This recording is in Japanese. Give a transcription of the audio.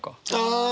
ああ。